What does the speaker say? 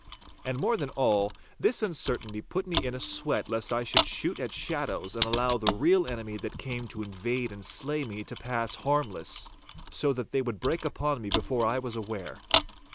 And more than all, this uncertainty put me in a sweat lest I should shoot at shadows and allow the real enemy that came to invade and slay me to pass harmless, so that they would break upon me before I was aware.